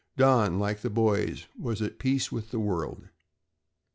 Don, like the boys, was at peace with all the world.